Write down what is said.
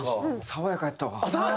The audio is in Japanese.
爽やかやった？